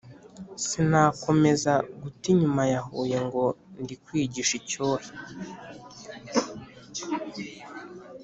sinakomeza guta inyuma yahuye ngo ndi kwigisha icyohe,